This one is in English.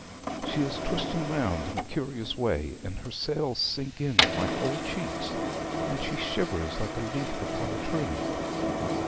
'She is twisting round in a curious way, and her sails sink in like old cheeks, and she shivers like a leaf upon a tree.'